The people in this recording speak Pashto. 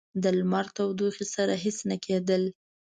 د لمر تودوخې سره هیڅ نه کېدل.